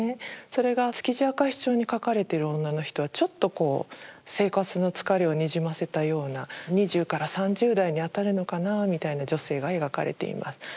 それが「築地明石町」に描かれている女の人はちょっとこう生活の疲れをにじませたような２０３０代に当たるのかなみたいな女性が描かれています。